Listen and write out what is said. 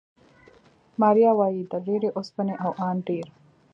ماریا وايي، د ډېرې اوسپنې او ان ډېر